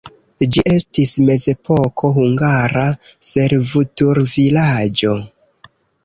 Ĝi estis mezepoko hungara servutulvilaĝo.